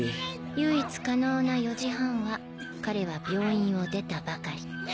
唯一可能な４時半は彼は病院を出たばかり。